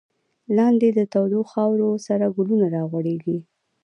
لاددی دتودوخاورو، سره ګلونه راغوړیږی